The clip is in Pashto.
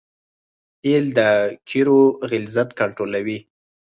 تیل د قیرو غلظت کنټرولوي